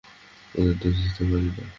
ওদের দোষ দিতে পারি না।